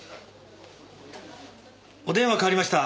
お電話代わりました。